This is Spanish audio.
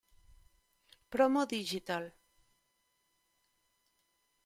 Promo Digital